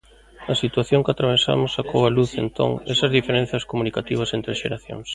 A situación que atravesamos sacou á luz, entón, esas diferenzas comunicativas entre xeracións.